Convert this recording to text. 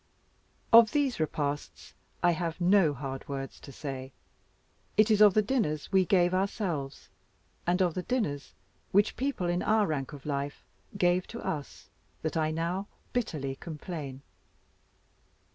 Of these repasts I have no hard words to say; it is of the dinners we gave ourselves, and of the dinners which people in our rank of life gave to us, that I now bitterly complain.